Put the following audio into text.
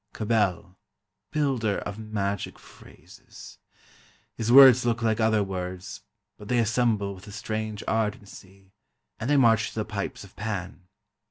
Cabell, builder of magic phrases! His words look like other words, but they assemble with a strange ardency, and they march to the pipes of Pan.